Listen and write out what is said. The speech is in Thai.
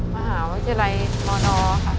มหาวจรรย์มนค่ะ